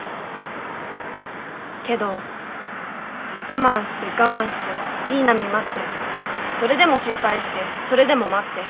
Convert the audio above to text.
けど我慢して我慢していい波待ってそれでも失敗してそれでも待って。